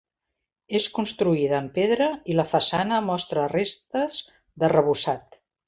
És construïda en pedra i la façana mostra restes d'arrebossat.